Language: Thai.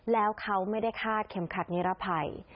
แล้วเขาไม่ได้คาดเข็มขัดนิรภัย